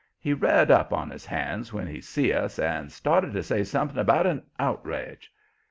He rared up on his hands when he see us and started to say something about an outrage.